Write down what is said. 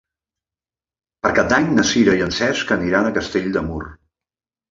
Per Cap d'Any na Sira i en Cesc aniran a Castell de Mur.